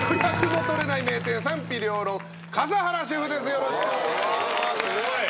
よろしくお願いします。